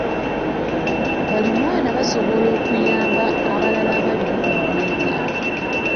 Baliraanwa basobola okuyamba abalala abali mu bwetaavu.